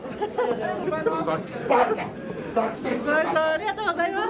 ありがとうございます。